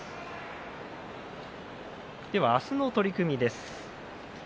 明日の取組です。